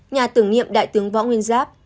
nhà tưởng nhiệm đại tướng võ nguyên giáp